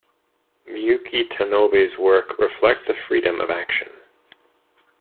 Miyuki Tanobe's work reflects a freedom of action.